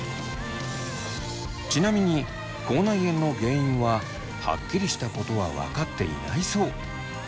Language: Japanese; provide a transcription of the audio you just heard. ちなみに口内炎の原因ははっきりしたことは分かっていないそう。